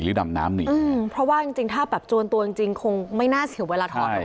ดำน้ำหนีอืมเพราะว่าจริงจริงถ้าแบบจวนตัวจริงจริงคงไม่น่าเสียเวลาถอดอะไร